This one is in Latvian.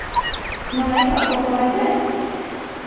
No veikala kaut ko vajadzēs?